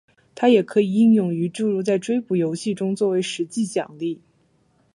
它也可以应用于诸如在追捕游戏中做为实际奖励。